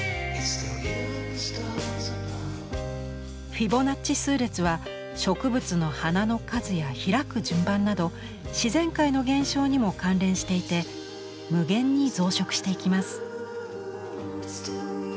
フィボナッチ数列は植物の花の数や開く順番など自然界の現象にも関連していて無限に増殖していきます。